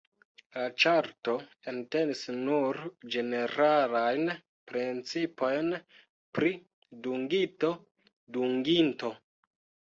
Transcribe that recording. La ĉarto entenis nur ĝeneralajn principojn pri dungito-dunginto.